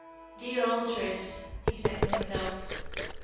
"Dear old Trist," he said to himself.